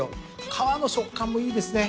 皮の食感もいいですね。